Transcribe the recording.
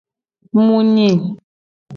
Mu nyi.